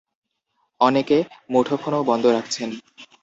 অনেকে মুঠোফোনও বন্ধ রাখছেন।